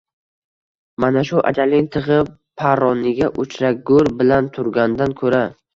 Mana shu ajalning tig‘i parroniga uchragur bilan turgandan ko‘ra.